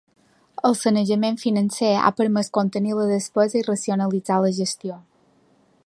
El sanejament financer ha permès contenir la despesa i racionalitzar la gestió.